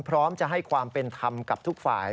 พร้อมจะให้ความเป็นธรรมกับทุกฝ่าย